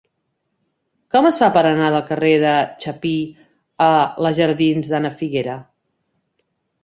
Com es fa per anar del carrer de Chapí a la jardins d'Ana Figuera?